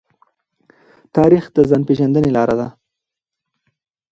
تاریخ د ځان پېژندنې لاره ده.